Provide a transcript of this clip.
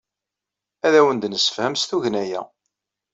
Ad awen-d-nessefhem s tugna-a.